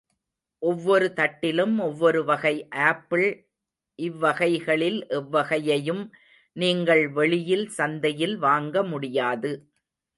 ஒவ்வொரு தட்டிலும் ஒவ்வொரு வகை ஆப்பிள் இவ்வகைகளில் எவ்வகையையும் நீங்கள் வெளியில் சந்தையில் வாங்கமுடியாது.